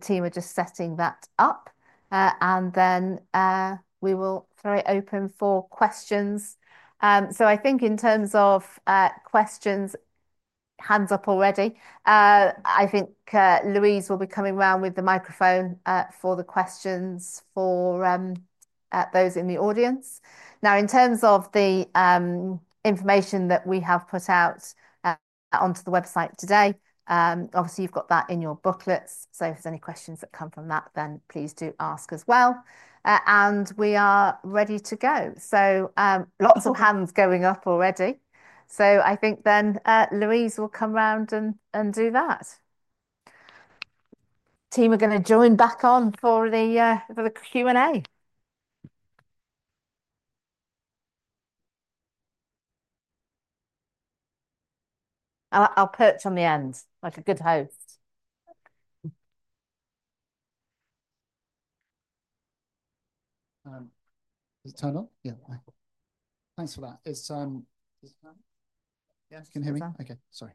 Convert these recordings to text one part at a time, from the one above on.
Team are just setting that up, and then we will throw it open for questions. I think in terms of questions, hands up already. I think Louise will be coming round with the microphone for the questions for those in the audience. Now, in terms of the information that we have put out onto the website today, obviously you have got that in your booklets. If there are any questions that come from that, then please do ask as well. We are ready to go. Lots of hands going up already. I think then Louise will come round and do that. Team, we are going to join back on for the Q&A. I will perch on the end like a good host. Is it turned on? Yeah. Thanks for that. It's, yeah, I can hear you. Okay. Sorry.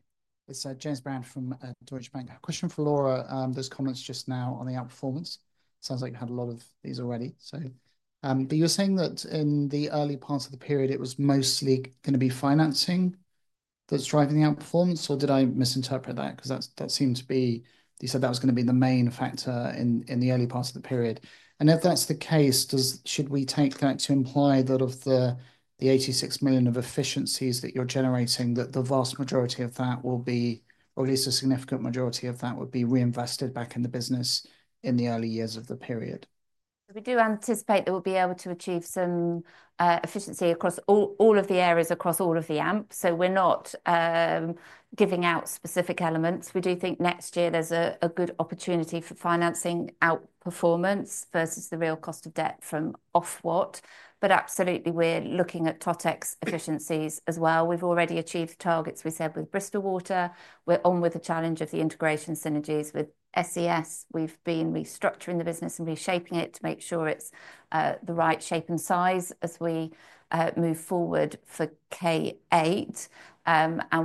It's, James Brand from Deutsche Bank. Question for Laura, those comments just now on the outperformance. Sounds like you had a lot of these already. You're saying that in the early parts of the period, it was mostly going to be financing that's driving the outperformance, or did I misinterpret that? That seemed to be, you said that was going to be the main factor in the early parts of the period. If that's the case, should we take that to imply that of the 86 million of efficiencies that you're generating, that the vast majority of that will be, or at least a significant majority of that would be reinvested back in the business in the early years of the period? We do anticipate that we'll be able to achieve some efficiency across all of the areas across all of the AMP. We're not giving out specific elements. We do think next year there's a good opportunity for financing outperformance versus the real cost of debt from Ofwat. Absolutely, we're looking at TOTEX efficiencies as well. We've already achieved the targets we said with Bristol Water. We're on with the challenge of the integration synergies with SES. We've been restructuring the business and reshaping it to make sure it's the right shape and size as we move forward for K8.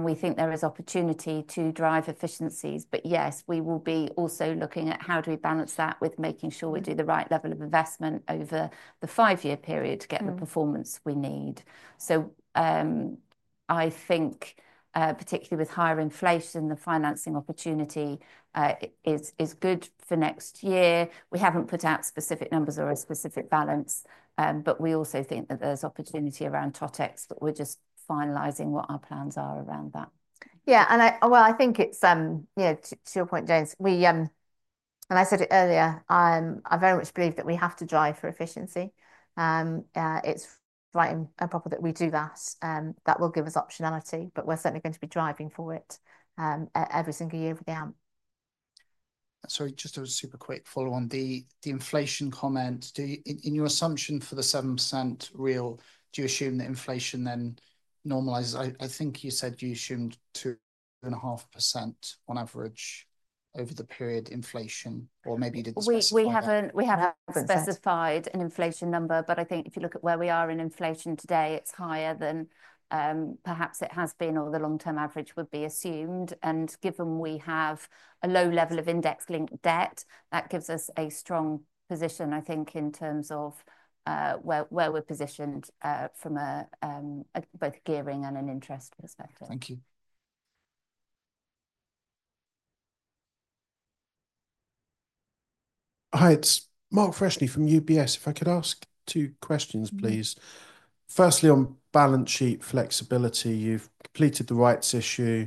We think there is opportunity to drive efficiencies. Yes, we will be also looking at how do we balance that with making sure we do the right level of investment over the five-year period to get the performance we need. I think, particularly with higher inflation, the financing opportunity is good for next year. We have not put out specific numbers or a specific balance, but we also think that there is opportunity around TOTEX, but we are just finalizing what our plans are around that. Yeah. I think it is, you know, to your point, James, we, and I said it earlier, I very much believe that we have to drive for efficiency. It is right and proper that we do that. That will give us optionality, but we are certainly going to be driving for it every single year with the AMP. Sorry, just a super quick follow-on. The inflation comment, do you, in your assumption for the 7% real, do you assume that inflation then normalizes? I think you said you assumed 2.5% on average over the period inflation, or maybe you did not specify. We haven't specified an inflation number, but I think if you look at where we are in inflation today, it's higher than, perhaps it has been, or the long-term average would be assumed. Given we have a low level of index linked debt, that gives us a strong position, I think, in terms of where we're positioned, from both a gearing and an interest perspective. Thank you. Hi, it's Mark Freshney from UBS. If I could ask two questions, please? Firstly, on balance sheet flexibility, you've completed the rights issue,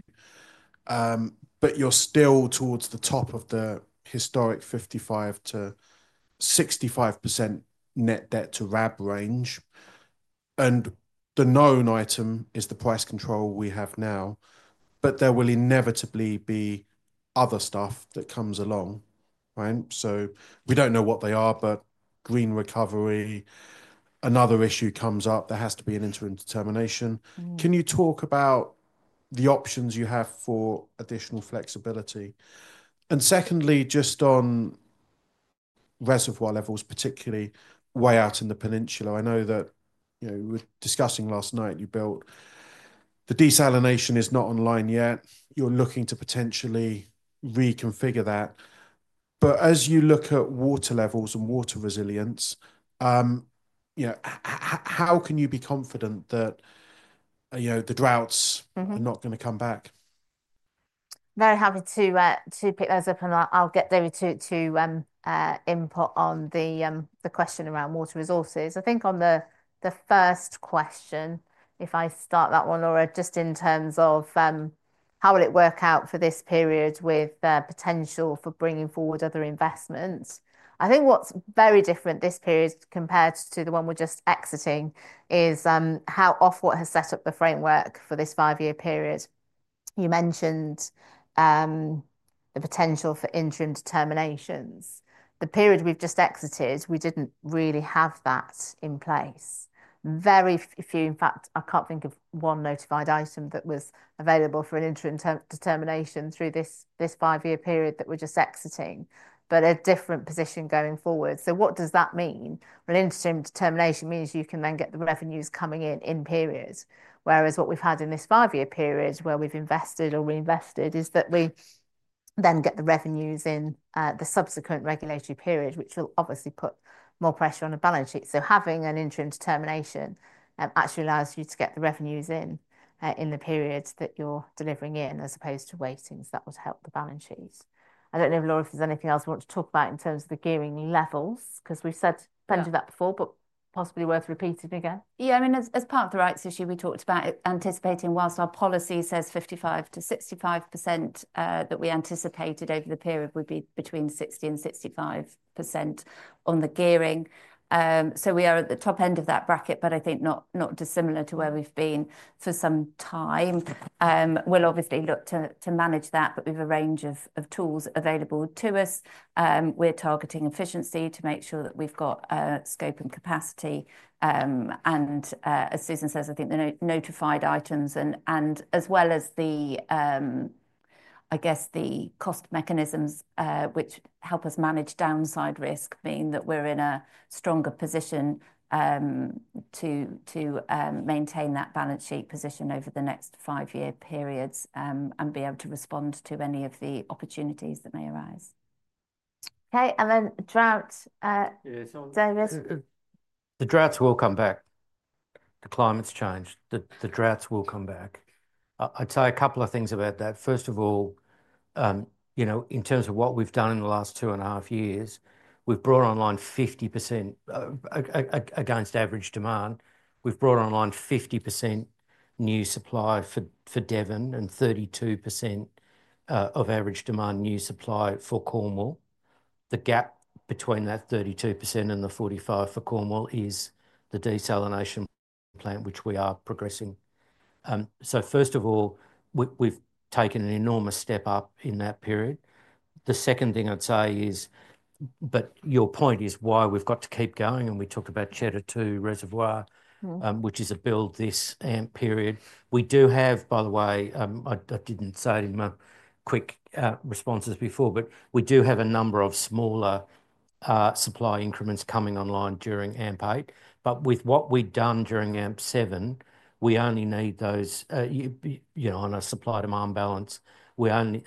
but you're still towards the top of the historic 55-65% net debt to RAB range. The known item is the price control we have now, but there will inevitably be other stuff that comes along, right? We don't know what they are, but Green Recovery, another issue comes up, there has to be an interim determination. Can you talk about the options you have for additional flexibility? Secondly, just on reservoir levels, particularly way out in the peninsula, I know that, you know, we were discussing last night, you built, the desalination is not online yet. You are looking to potentially reconfigure that. As you look at water levels and water resilience, you know, how can you be confident that, you know, the droughts are not going to come back? Very happy to pick those up and I'll get David to input on the question around water resources. I think on the first question, if I start that one, Laura, just in terms of how will it work out for this period with potential for bringing forward other investments? I think what's very different this period compared to the one we're just exiting is how Ofwat has set up the framework for this five-year period. You mentioned the potential for interim determinations. The period we've just exited, we didn't really have that in place. Very few, in fact, I can't think of one notified item that was available for an interim determination through this five-year period that we're just exiting, but a different position going forward. What does that mean? An interim determination means you can then get the revenues coming in, in period. Whereas what we've had in this five-year period where we've invested or reinvested is that we then get the revenues in, the subsequent regulatory period, which will obviously put more pressure on the balance sheet. Having an interim determination actually allows you to get the revenues in, in the periods that you are delivering in as opposed to waiting, so that would help the balance sheet. I don't know, Laura, if there's anything else we want to talk about in terms of the gearing levels, because we've said plenty of that before, but possibly worth repeating again. Yeah, I mean, as part of the rights issue, we talked about anticipating whilst our policy says 55-65%, that we anticipated over the period would be between 60-65% on the gearing. We are at the top end of that bracket, but I think not, not dissimilar to where we've been for some time. We'll obviously look to manage that, but we've a range of tools available to us. We are targeting efficiency to make sure that we've got a scope and capacity. And, as Susan says, I think the notified items and, as well as the, I guess the cost mechanisms, which help us manage downside risk, meaning that we're in a stronger position to maintain that balance sheet position over the next five-year periods, and be able to respond to any of the opportunities that may arise. Okay. And then drought, David. The drought will come back. The climate's changed. The drought will come back. I'd say a couple of things about that. First of all, you know, in terms of what we've done in the last two and a half years, we've brought online 50% against average demand. We've brought online 50% new supply for Devon and 32% of average demand new supply for Cornwall. The gap between that 32% and the 45% for Cornwall is the desalination plant, which we are progressing. First of all, we've taken an enormous step up in that period. The second thing I'd say is, your point is why we've got to keep going. We talked about Cheddar 2 Reservoir, which is a build this AMP period. We do have, by the way, I did not say it in my quick responses before, but we do have a number of smaller supply increments coming online during AMP8. With what we have done during AMP7, we only need those, you know, on a supply demand balance, we only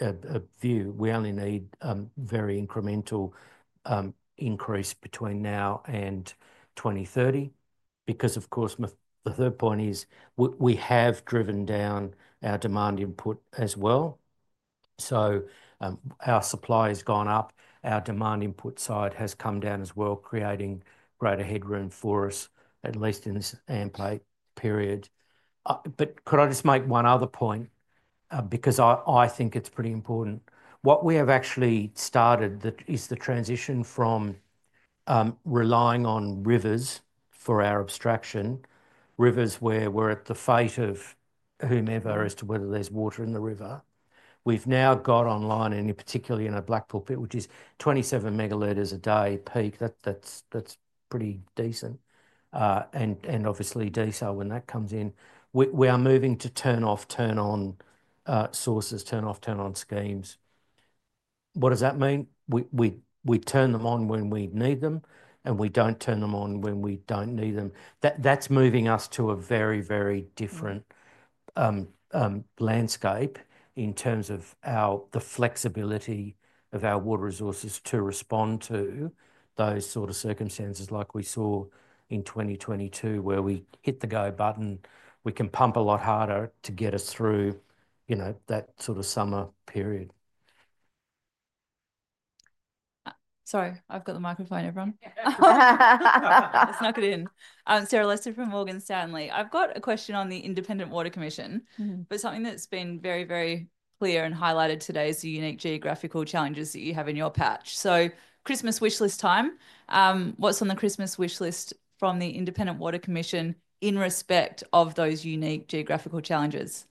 need a very incremental increase between now and 2030. Because of course, the third point is we have driven down our demand input as well. Our supply has gone up, our demand input side has come down as well, creating greater headroom for us, at least in this AMP8 period. Could I just make one other point, because I think it is pretty important. What we have actually started is the transition from relying on rivers for our abstraction, rivers where we're at the fate of whomever as to whether there's water in the river. We've now got online, and particularly in a Blackpool Pit, which is 27 ML a day peak. That's pretty decent, and obviously desal when that comes in. We are moving to turn off, turn on sources, turn off, turn on schemes. What does that mean? We turn them on when we need them and we don't turn them on when we don't need them. That, that's moving us to a very, very different landscape in terms of our, the flexibility of our water resources to respond to those sort of circumstances like we saw in 2022 where we hit the go button, we can pump a lot harder to get us through, you know, that sort of summer period. Sorry, I've got the microphone, everyone. Let's knock it in. Sarah Lester from Morgan Stanley. I've got a question on the Independent Water Commission, but something that's been very, very clear and highlighted today is the unique geographical challenges that you have in your patch. Christmas wishlist time. What's on the Christmas wishlist from the Independent Water Commission in respect of those unique geographical challenges?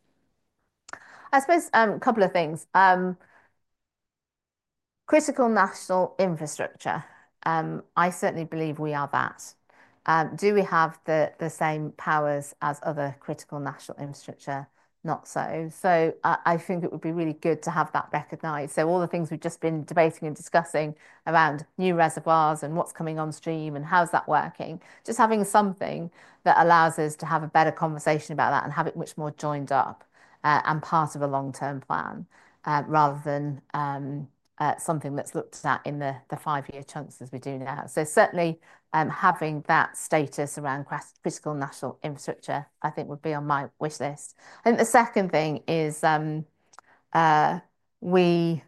I suppose, a couple of things. Critical National Infrastructure. I certainly believe we are that. Do we have the, the same powers as other Critical National Infrastructure? Not so. I think it would be really good to have that recognized. All the things we've just been debating and discussing around new reservoirs and what's coming on stream and how's that working, just having something that allows us to have a better conversation about that and have it much more joined up, and part of a long-term plan, rather than something that's looked at in the, the five-year chunks as we do now. Certainly, having that status around Critical National Infrastructure, I think would be on my wishlist. I think the second thing is, we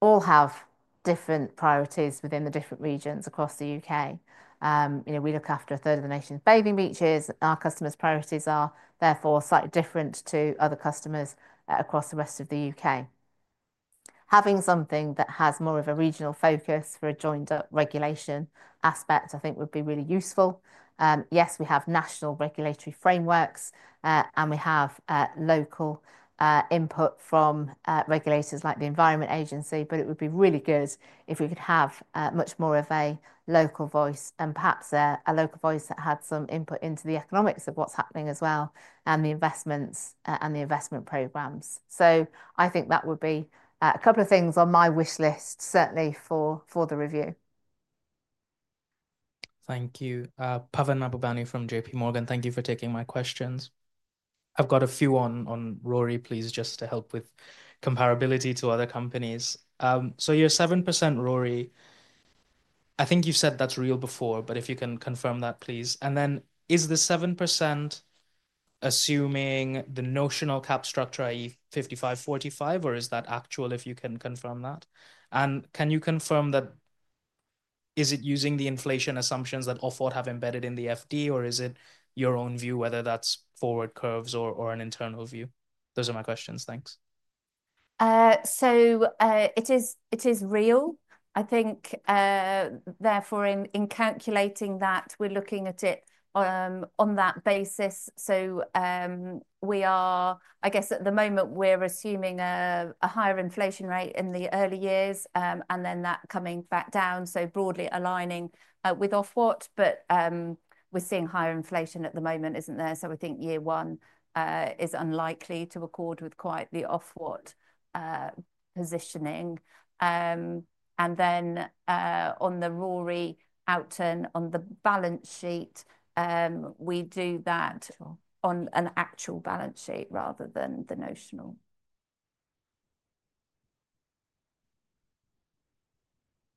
all have different priorities within the different regions across the U.K. You know, we look after a third of the nation's bathing beaches. Our customers' priorities are therefore slightly different to other customers across the rest of the U.K. Having something that has more of a regional focus for a joined-up regulation aspect I think would be really useful. Yes, we have national regulatory frameworks, and we have local input from regulators like the Environment Agency, but it would be really good if we could have much more of a local voice and perhaps a local voice that had some input into the economics of what's happening as well and the investments and the investment programs. I think that would be a couple of things on my wishlist, certainly for the review. Thank you. Pavan Mahbubani from JPMorgan. Thank you for taking my questions. I've got a few on, on RORE, please, just to help with comparability to other companies. You're 7% RORE. I think you've said that's real before, but if you can confirm that, please. Is the 7% assuming the notional cap structure, i.e., 55-45? Or is that actual if you can confirm that? Can you confirm that is it using the inflation assumptions that Ofwat have embedded in the FD, or is it your own view, whether that's forward curves or, or an internal view? Those are my questions. Thanks. It is real. I think, therefore in calculating that, we're looking at it on that basis. We are, I guess at the moment, assuming a higher inflation rate in the early years, and then that coming back down. Broadly aligning with Ofwat, but we're seeing higher inflation at the moment, isn't there? We think year one is unlikely to accord with quite the Ofwat positioning. Then, on the RORE out on the balance sheet, we do that on an actual balance sheet rather than the notional.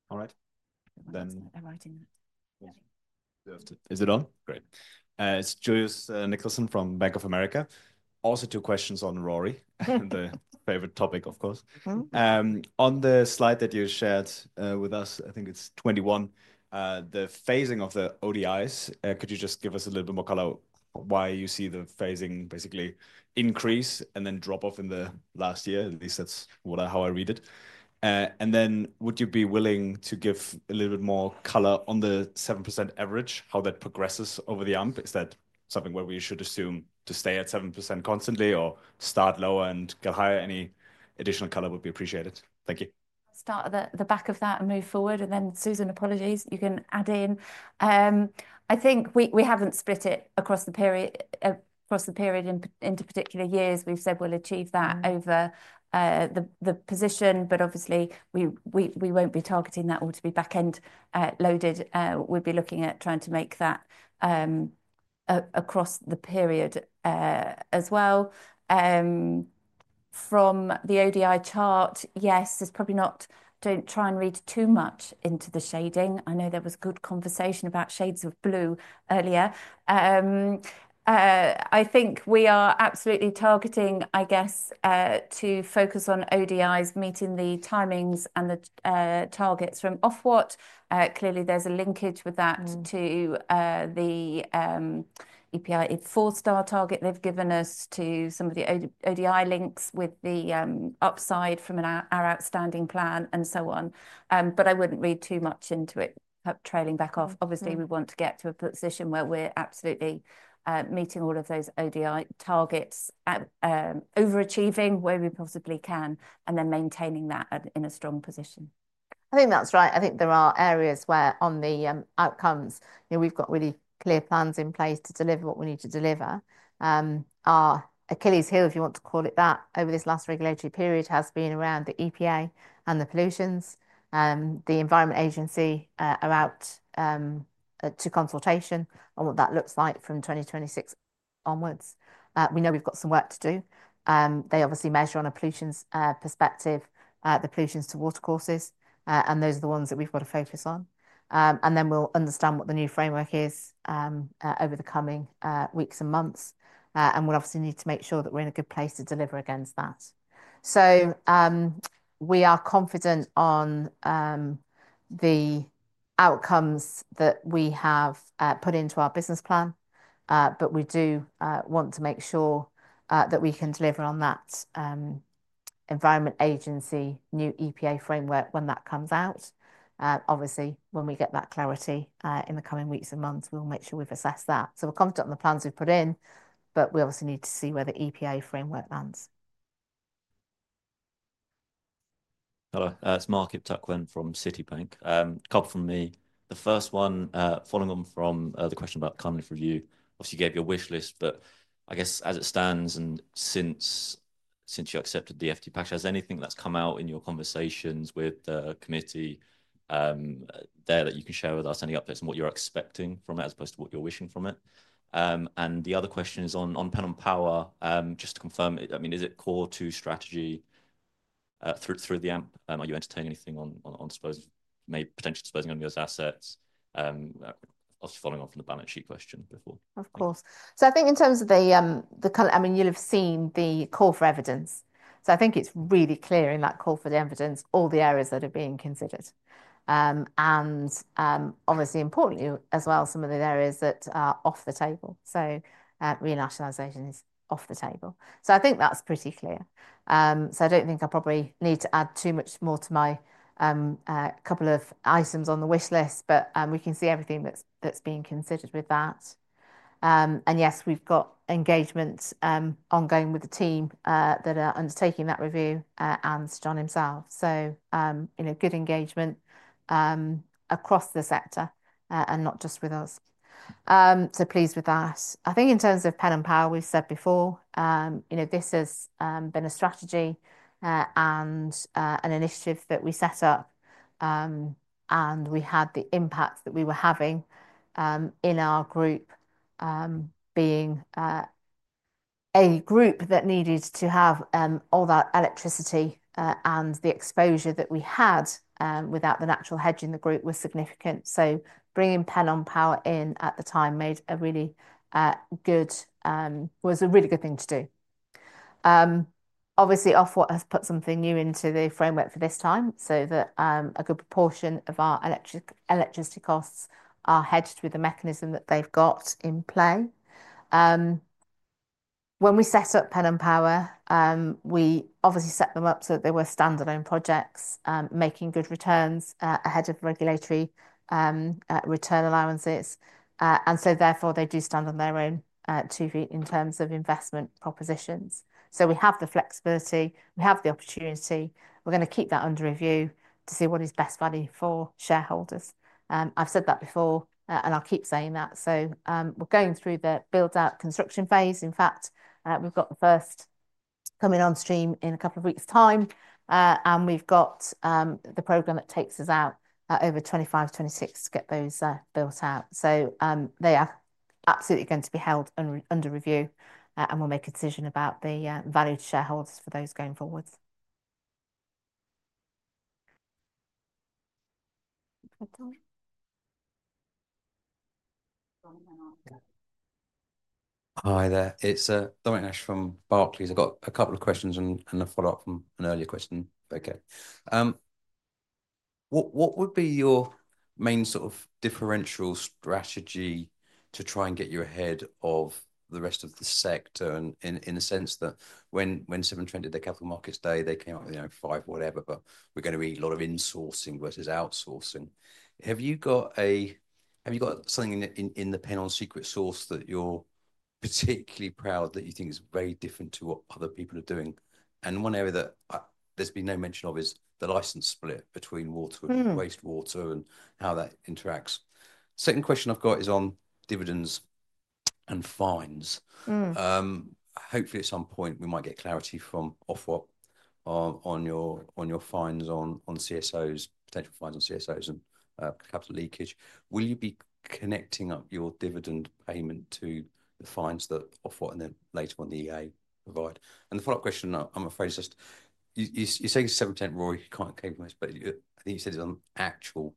All right. Is it on? Great. It's Julius Nicholson from Bank of America. Also, two questions on RORE, the favorite topic, of course. On the slide that you shared with us, I think it is 21, the phasing of the ODIs, could you just give us a little bit more color why you see the phasing basically increase and then drop off in the last year? At least that is how I read it. Would you be willing to give a little bit more color on the 7% average, how that progresses over the AMP? Is that something where we should assume to stay at 7% constantly or start lower and get higher? Any additional color would be appreciated. Thank you. I'll start at the back of that and move forward. Susan, apologies, you can add in. I think we haven't split it across the period into particular years. We've said we'll achieve that over the position, but obviously we won't be targeting that all to be backend loaded. We'll be looking at trying to make that across the period as well. From the ODI chart, yes, it's probably not, don't try and read too much into the shading. I know there was good conversation about shades of blue earlier. I think we are absolutely targeting, I guess, to focus on ODIs meeting the timings and the targets from Ofwat. Clearly there's a linkage with that to the EPA four-star target they've given us, to some of the ODI links with the upside from our outstanding plan and so on. I wouldn't read too much into it, perhaps trailing back off. Obviously we want to get to a position where we are absolutely meeting all of those ODI targets, overachieving where we possibly can and then maintaining that in a strong position. I think that's right. I think there are areas where on the outcomes, you know, we've got really clear plans in place to deliver what we need to deliver. Our Achilles heel, if you want to call it that, over this last regulatory period has been around the EPA and the pollutions. The Environment Agency are out to consultation on what that looks like from 2026 onwards. We know we've got some work to do. They obviously measure on a pollutions perspective, the pollutions to water courses, and those are the ones that we've gotta focus on. Then we'll understand what the new framework is, over the coming weeks and months. We'll obviously need to make sure that we're in a good place to deliver against that. We are confident on the outcomes that we have put into our business plan. We do want to make sure that we can deliver on that Environment Agency new EPA framework when that comes out. Obviously when we get that clarity, in the coming weeks and months, we'll make sure we've assessed that. We're confident on the plans we've put in, but we obviously need to see where the EPA framework lands. Hello, it's [Markip Tuckwen] from Citibank. A couple from me. The first one, following on from the question about the kind of review, obviously you gave your wishlist, but I guess as it stands and since you accepted the FD patches, has anything that's come out in your conversations with the committee, there that you can share with us, any updates on what you're expecting from it as opposed to what you're wishing from it? The other question is on Pennon Power, just to confirm it, I mean, is it core to strategy, through the AMP? Are you entertaining anything on supposed, may potentially disposing on those assets? Obviously following on from the balance sheet question before. Of course. I think in terms of the, the kind of, I mean, you'll have seen the call for evidence. I think it's really clear in that call for the evidence, all the areas that are being considered, and, obviously importantly as well, some of the areas that are off the table. Renationalization is off the table. I think that's pretty clear. I don't think I probably need to add too much more to my couple of items on the wishlist, but we can see everything that's being considered with that. Yes, we've got engagement ongoing with the team that are undertaking that review, and Jon himself. You know, good engagement across the sector, and not just with us. Pleased with that. I think in terms of Pennon Power, we've said before, you know, this has been a strategy, and an initiative that we set up, and we had the impact that we were having in our group, being a group that needed to have all that electricity, and the exposure that we had, without the natural hedge in the group was significant. Bringing Pennon Power in at the time made a really good, was a really good thing to do. Obviously Ofwat has put something new into the framework for this time so that a good proportion of our electricity costs are hedged with the mechanism that they've got in play. When we set up Pennon Power, we obviously set them up so that they were standalone projects, making good returns, ahead of regulatory return allowances. Therefore, they do stand on their own two feet in terms of investment propositions. We have the flexibility, we have the opportunity, we're gonna keep that under review to see what is best value for shareholders. I've said that before, and I'll keep saying that. We're going through the build out construction phase. In fact, we've got the first coming on stream in a couple of weeks' time. We've got the program that takes us out over 2025, 2026 to get those built out. They are absolutely going to be held under review, and we'll make a decision about the value to shareholders for those going forwards. Hi there. It's Dominic Nash from Barclays. I've got a couple of questions and a follow-up from an earlier question. Okay. What would be your main sort of differential strategy to try and get you ahead of the rest of the sector in the sense that when Severn Trent did the capital markets day, they came up with, you know, five, whatever, but we're gonna be a lot of insourcing versus outsourcing. Have you got something in the Pennon secret sauce that you are particularly proud that you think is very different to what other people are doing? One area that there's been no mention of is the license split between water and wastewater and how that interacts. Second question I've got is on dividends and fines. Hopefully at some point we might get clarity from Ofwat on your fines, on CSOs, potential fines on CSOs, and capital leakage. Will you be connecting up your dividend payment to the fines that Ofwat and then later on the Environment Agency provide? The follow-up question, I'm afraid, is just you say 7% RORE can't cave with us, but I think you said it's on actual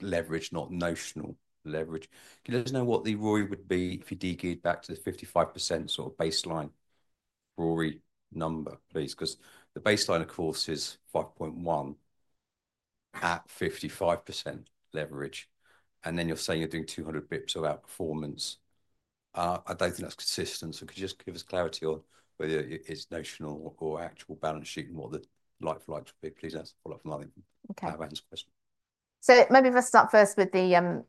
leverage, not notional leverage. Could you let us know what the RORE would be if you degeared back to the 55% sort of baseline RORE number, please? 'Cause the baseline, of course, is 5.1% at 55% leverage. Then you're saying you're doing 200 basis points of outperformance. I don't think that's consistent. Could you just give us clarity on whether it is notional or actual balance sheet and what the like-for-likes would be? Please answer follow-up from me. Okay. I have answered the question. Maybe if I start first with the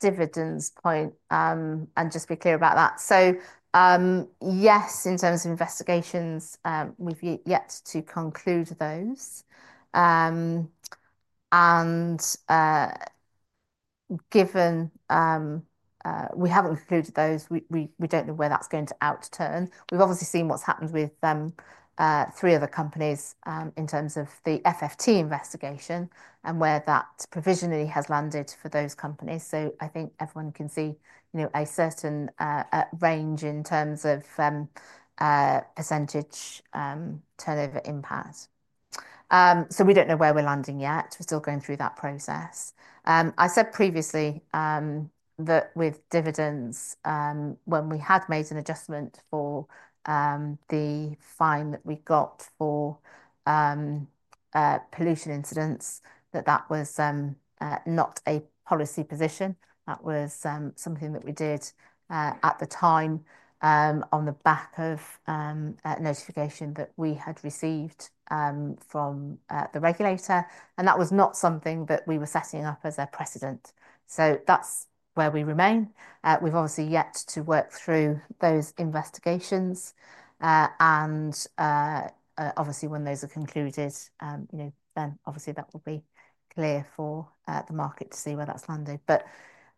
dividends point, and just be clear about that. Yes, in terms of investigations, we've yet to conclude those. Given we haven't concluded those, we don't know where that's going to outturn. We've obviously seen what's happened with three other companies, in terms of the FFT investigation and where that provisionally has landed for those companies. I think everyone can see, you know, a certain range in terms of percentage turnover impact. We don't know where we're landing yet. We're still going through that process. I said previously that with dividends, when we had made an adjustment for the fine that we got for pollution incidents, that that was not a policy position. That was something that we did at the time, on the back of notification that we had received from the regulator. That was not something that we were setting up as a precedent. That is where we remain. We've obviously yet to work through those investigations, and, obviously, when those are concluded, you know, then that will be clear for the market to see where that has landed.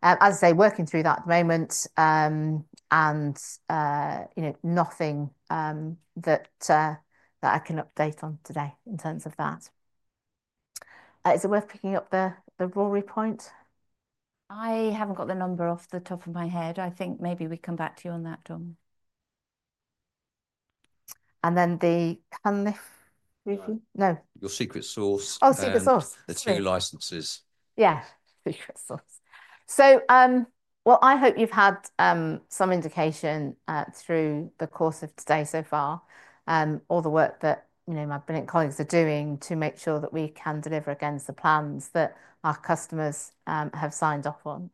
As I say, working through that at the moment, and, you know, nothing that I can update on today in terms of that. Is it worth picking up the RORE point? I have not got the number off the top of my head. I think maybe we come back to you on that, Dom. And then the can lift? No. Your secret sauce. Oh, secret sauce. The two licenses. Yeah, secret sauce. I hope you've had some indication through the course of today so far, all the work that, you know, my brilliant colleagues are doing to make sure that we can deliver against the plans that our customers have signed off on.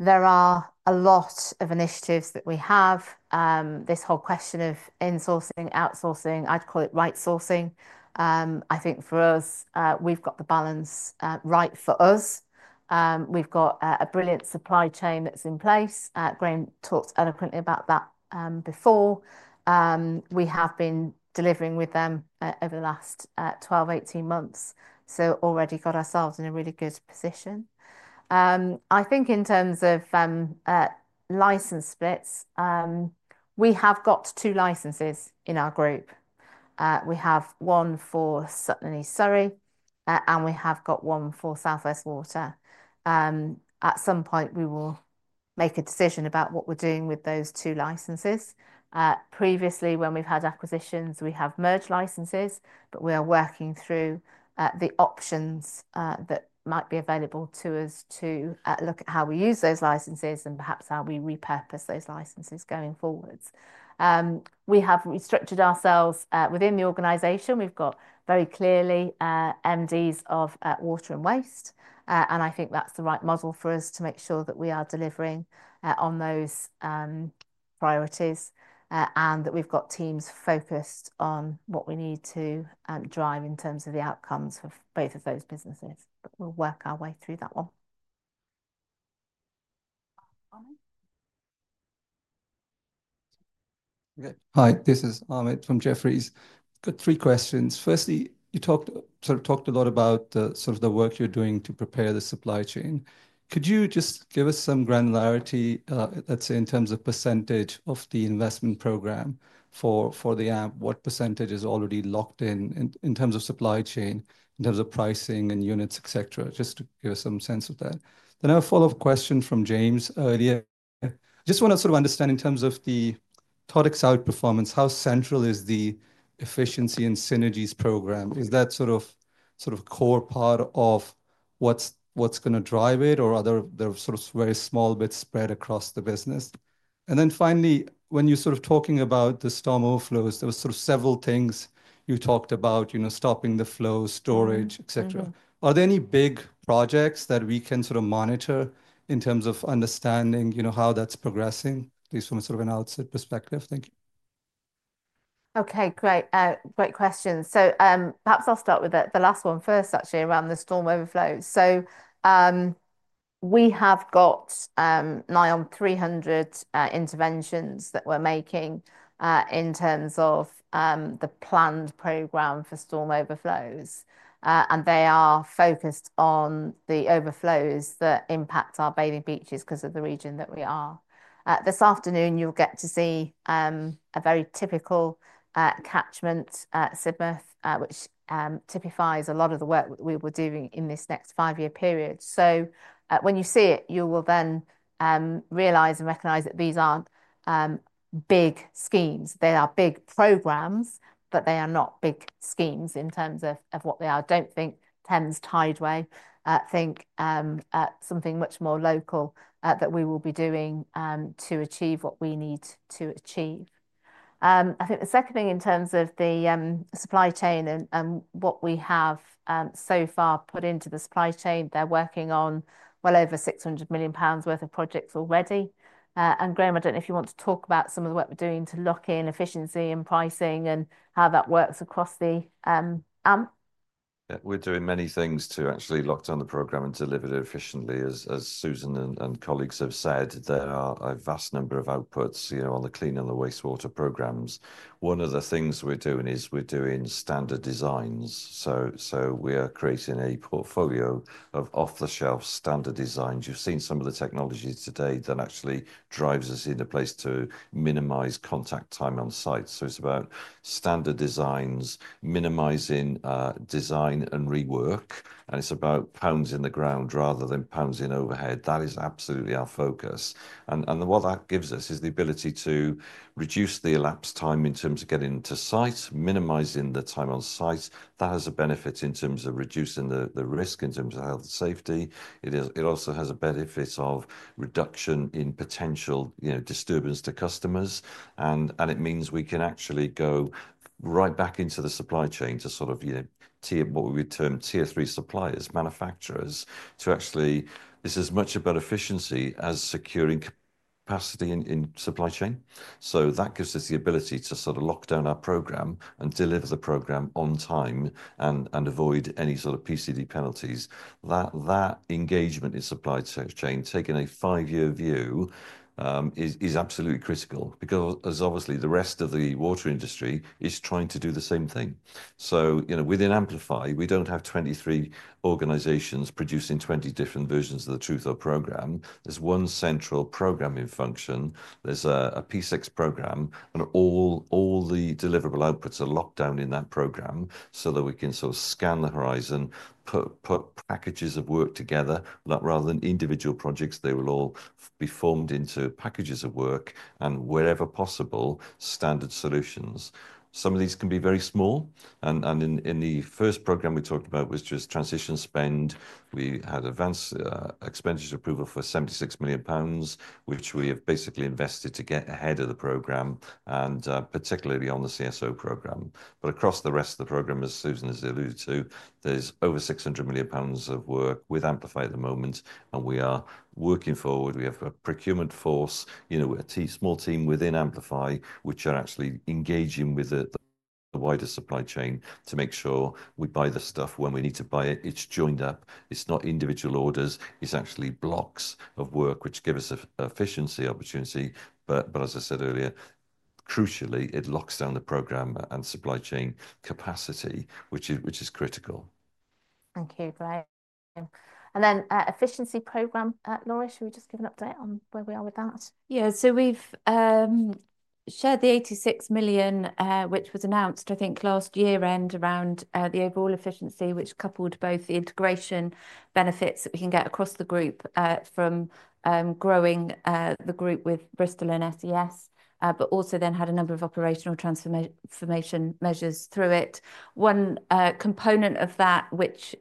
There are a lot of initiatives that we have. This whole question of insourcing, outsourcing, I'd call it right sourcing. I think for us, we've got the balance right for us. We've got a brilliant supply chain that's in place. Graham talked eloquently about that before. We have been delivering with them over the last 12-18 months. Already got ourselves in a really good position. I think in terms of license splits, we have got two licenses in our group. We have one for Sutton and East Surrey, and we have got one for South West Water. At some point we will make a decision about what we're doing with those two licenses. Previously when we've had acquisitions, we have merged licenses, but we are working through the options that might be available to us to look at how we use those licenses and perhaps how we repurpose those licenses going forwards. We have restructured ourselves within the organization. We've got very clearly MDs of water and waste. I think that's the right model for us to make sure that we are delivering on those priorities, and that we've got teams focused on what we need to drive in terms of the outcomes for both of those businesses. We'll work our way through that one. Hi, this is Ahmed from Jefferies. Got three questions. Firstly, you talked, sort of talked a lot about the, sort of the work you're doing to prepare the supply chain. Could you just give us some granularity, let's say in terms of % of the investment program for the AMP, what percentage is already locked in, in terms of supply chain, in terms of pricing and units, et cetera, just to give us some sense of that? I have a follow-up question from James earlier. Just wanna sort of understand in terms of the TOTEX South performance, how central is the efficiency and synergies program? Is that sort of, sort of core part of what's, what's gonna drive it or are there, there are sort of very small bits spread across the business? Finally, when you're sort of talking about the storm overflows, there were sort of several things you talked about, you know, stopping the flow, storage, et cetera. Are there any big projects that we can sort of monitor in terms of understanding, you know, how that's progressing, at least from a sort of an outside perspective? Thank you. Okay, great. Great question. Perhaps I'll start with the last one first, actually, around the storm overflows. We have got nine on 300 interventions that we're making in terms of the planned program for storm overflows. They are focused on the overflows that impact our bathing beaches because of the region that we are. This afternoon you'll get to see a very typical catchment at Sidmouth, which typifies a lot of the work that we will do in this next five-year period. When you see it, you will then realize and recognize that these aren't big schemes. They are big programs, but they are not big schemes in terms of what they are. Don't think Thames Tideway, think something much more local that we will be doing to achieve what we need to achieve. I think the second thing in terms of the supply chain and what we have so far put into the supply chain, they're working on well over 600 million pounds worth of projects already. Graham, I don't know if you want to talk about some of the work we're doing to lock in efficiency and pricing and how that works across the AMP. Yeah, we're doing many things to actually lock down the program and deliver it efficiently. As Susan and colleagues have said, there are a vast number of outputs, you know, on the clean and the wastewater programs. One of the things we are doing is we are doing standard designs. We are creating a portfolio of off-the-shelf standard designs. You've seen some of the technologies today that actually drives us in a place to minimize contact time on site. It is about standard designs, minimizing design and rework, and it's about pounds in the ground rather than pounds in overhead. That is absolutely our focus. What that gives us is the ability to reduce the elapsed time in terms of getting to site, minimizing the time on site. That has a benefit in terms of reducing the risk in terms of health and safety. It also has a benefit of reduction in potential, you know, disturbance to customers. It means we can actually go right back into the supply chain to sort of, you know, tier what we would term tier three suppliers, manufacturers, to actually, this is much about efficiency as securing capacity in supply chain. That gives us the ability to sort of lock down our program and deliver the program on time and avoid any sort of PCD penalties. That engagement in supply chain taking a five-year view is absolutely critical because as obviously the rest of the water industry is trying to do the same thing. You know, within Amplify, we do not have 23 organizations producing 20 different versions of the Truth of program. There is one central programming function. There is a P6 program and all the deliverable outputs are locked down in that program so that we can sort of scan the horizon, put packages of work together, rather than individual projects. They will all be formed into packages of work and wherever possible, standard solutions. Some of these can be very small. In the first program we talked about, it was just transition spend. We had advanced expenditure approval for 76 million pounds, which we have basically invested to get ahead of the program, particularly on the CSO program. Across the rest of the program, as Susan has alluded to, there is over 600 million pounds of work with Amplify at the moment. We are working forward. We have a procurement force, you know, a small team within Amplify, which are actually engaging with the wider supply chain to make sure we buy the stuff when we need to buy it. It's joined up. It's not individual orders. It's actually blocks of work, which gives us a efficiency opportunity. As I said earlier, crucially, it locks down the program and supply chain capacity, which is critical. Thank you, Graham. The efficiency program, Laura, should we just give an update on where we are with that? Yeah, so we've shared the 86 million, which was announced, I think, last year end around the overall efficiency, which coupled both the integration benefits that we can get across the group, from growing the group with Bristol and SES, but also then had a number of operational transformation measures through it. One component of that, which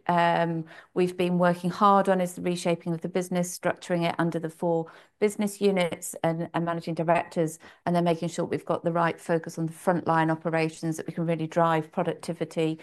we've been working hard on, is the reshaping of the business, structuring it under the four business units and managing directors, and then making sure we've got the right focus on the frontline operations that we can really drive productivity,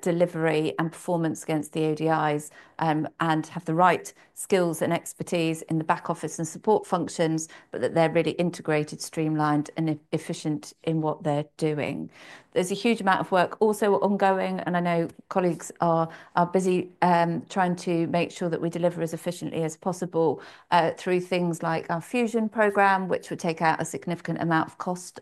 delivery and performance against the ODIs, and have the right skills and expertise in the back office and support functions, but that they're really integrated, streamlined, and efficient in what they're doing. There's a huge amount of work also ongoing, and I know colleagues are busy, trying to make sure that we deliver as efficiently as possible, through things like our Fusion program, which would take out a significant amount of cost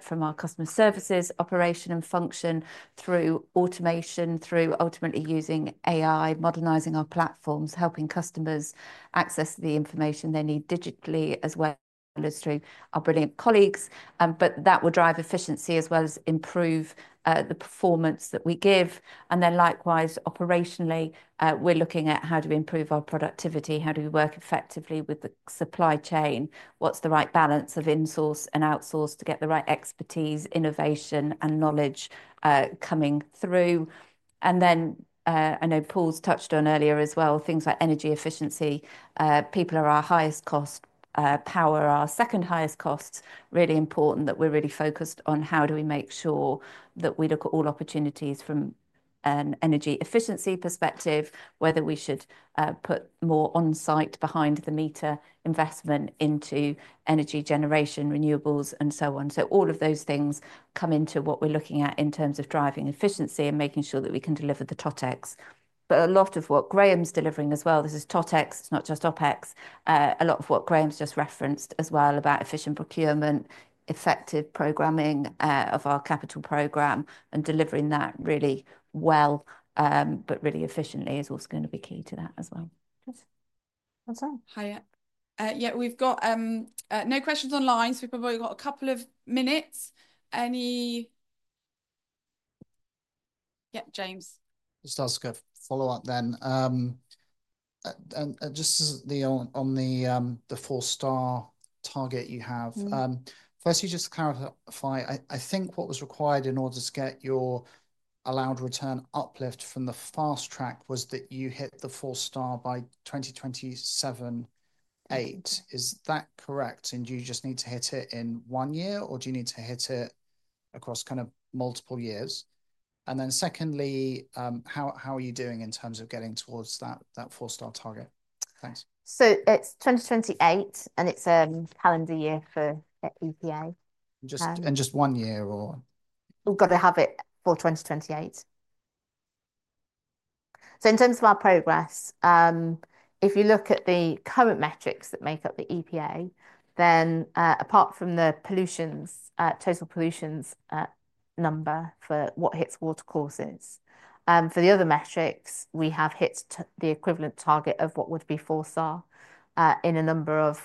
from our customer services, operation and function through automation, through ultimately using AI, modernizing our platforms, helping customers access the information they need digitally as well as through our brilliant colleagues. That will drive efficiency as well as improve the performance that we give. Likewise, operationally, we are looking at how do we improve our productivity? How do we work effectively with the supply chain? What's the right balance of insource and outsource to get the right expertise, innovation, and knowledge coming through? I know Paul's touched on earlier as well, things like energy efficiency. People are our highest cost. Power are our second highest costs. Really important that we are really focused on how do we make sure that we look at all opportunities from an energy efficiency perspective, whether we should put more onsite behind the meter investment into energy generation, renewables, and so on. All of those things come into what we are looking at in terms of driving efficiency and making sure that we can deliver the TOTEX. A lot of what Graham's delivering as well, this is TOTEX, it's not just OPEX. A lot of what Graham's just referenced as well about efficient procurement, effective programming of our capital program and delivering that really well, but really efficiently is also going to be key to that as well. Awesome. Hi, yeah, we've got no questions online, so we've probably got a couple of minutes. Any, yeah, James. Just ask a follow-up then. Just as the, on the four-star target you have, firstly just to clarify, I think what was required in order to get your allowed return uplift from the fast track was that you hit the four-star by 2027-2028. Is that correct? Do you just need to hit it in one year or do you need to hit it across kind of multiple years? Secondly, how are you doing in terms of getting towards that four-star target? Thanks. It is 2028 and it is a calendar year for EPA. Just, and just one year or? got to have it for 2028. In terms of our progress, if you look at the current metrics that make up the EPA, then, apart from the pollutions, total pollutions, number for what hits water courses, for the other metrics, we have hit the equivalent target of what would be four-star, in a number of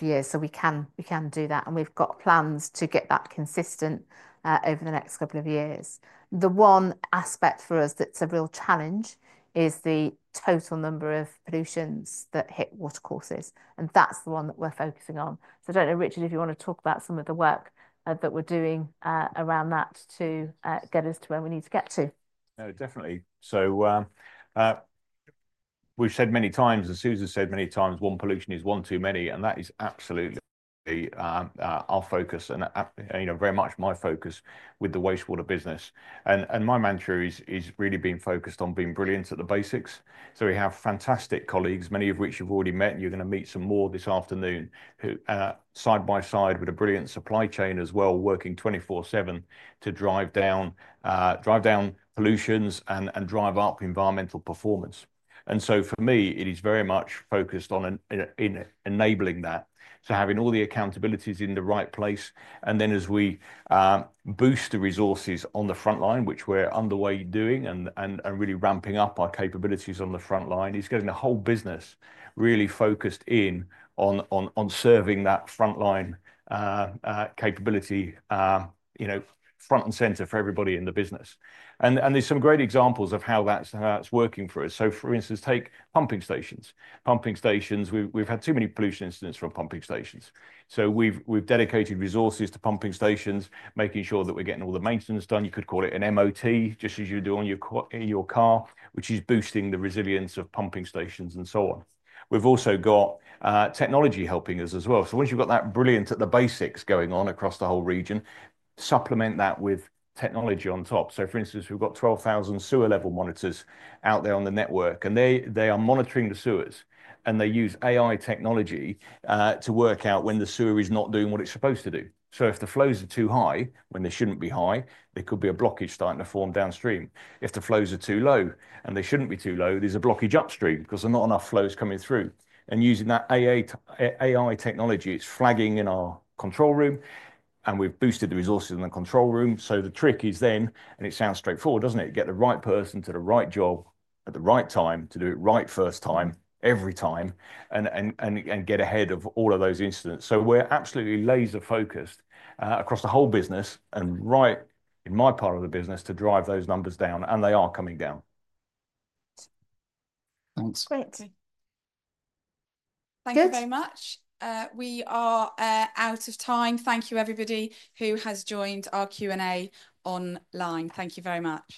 years. We can do that. We have got plans to get that consistent over the next couple of years. The one aspect for us that is a real challenge is the total number of pollutions that hit water courses. That is the one that we are focusing on. I do not know, Richard, if you want to talk about some of the work that we are doing around that to get us to where we need to get to. No, definitely. We've said many times, as Susan said many times, one pollution is one too many. That is absolutely our focus and, you know, very much my focus with the wastewater business. My manager is really being focused on being brilliant at the basics. We have fantastic colleagues, many of whom you've already met, and you're going to meet some more this afternoon, who, side by side with a brilliant supply chain as well, are working 24/7 to drive down pollutions and drive up environmental performance. For me, it is very much focused on enabling that, having all the accountabilities in the right place. As we boost the resources on the frontline, which we're underway doing and really ramping up our capabilities on the frontline, it's getting the whole business really focused in on serving that frontline capability, you know, front and center for everybody in the business. There are some great examples of how that's working for us. For instance, take pumping stations. Pumping stations, we've had too many pollution incidents from pumping stations. We've dedicated resources to pumping stations, making sure that we're getting all the maintenance done. You could call it an MOT, just as you do on your car, which is boosting the resilience of pumping stations and so on. We've also got technology helping us as well. Once you've got that brilliant at the basics going on across the whole region, supplement that with technology on top. For instance, we've got 12,000 sewer level monitors out there on the network, and they are monitoring the sewers, and they use AI technology to work out when the sewer is not doing what it's supposed to do. If the flows are too high when they shouldn't be high, there could be a blockage starting to form downstream. If the flows are too low and they shouldn't be too low, there's a blockage upstream 'cause there are not enough flows coming through. Using that AI technology, it's flagging in our control room, and we've boosted the resources in the control room. The trick is then, and it sounds straightforward, doesn't it? Get the right person to the right job at the right time to do it right first time, every time, and get ahead of all of those incidents. We are absolutely laser focused, across the whole business and right in my part of the business to drive those numbers down, and they are coming down. Thanks. Great. Thank you very much. We are out of time. Thank you everybody who has joined our Q and A online. Thank you very much.